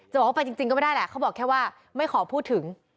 บอกว่าไปจริงก็ไม่ได้แหละเขาบอกแค่ว่าไม่ขอพูดถึง